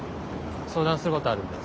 相談することあるんで。